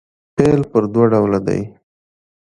فعل پر دوه ډوله دئ.